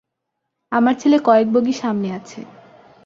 আমার ছেলে কয়েক বগি সামনে আছে।